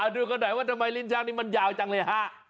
ดูก่อนหน่อยทำไมลิ้นชักมันยาวจังเลย